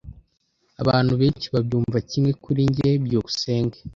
Abantu benshi babyumva kimwe kuri njye. byukusenge